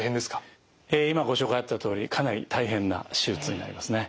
今ご紹介あったとおりかなり大変な手術になりますね。